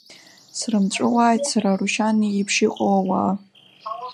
Срымҵәуааит сара Арушьан иеиԥш иҟоу ауаа.